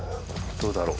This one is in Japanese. どうだろう。